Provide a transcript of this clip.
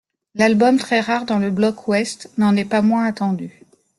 L'album, très rare dans le bloc ouest, n'en est pas moins attendu.